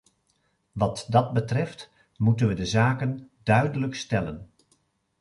Wat dat betreft, moeten we de zaken duidelijk stellen.